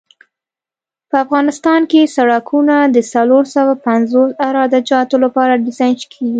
په افغانستان کې سرکونه د څلور سوه پنځوس عراده جاتو لپاره ډیزاین کیږي